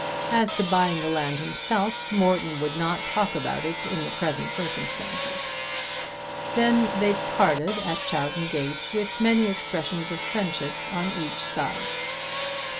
As to buying the land himself, Morton would not talk about it in the present circumstances. Then they parted at Chowton gate with many expressions of friendship on each side.